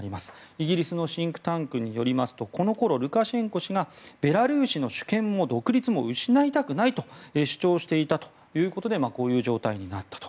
イギリスのシンクタンクによりますとこのころ、ルカシェンコ氏がベラルーシの主権も独立も失いたくないと主張していたということでこういう状態になったと。